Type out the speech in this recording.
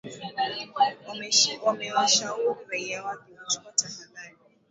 Wamewashauri raia wake kuchukua tahadhari